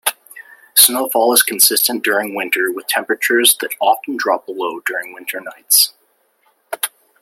Snowfall is consistent during winter, with temperatures that often drop below during winter nights.